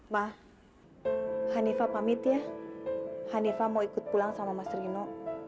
mah hanifah pamit ya hanifah mau ikut pulang sama mas rino